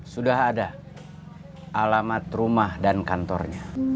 sudah ada alamat rumah dan kantornya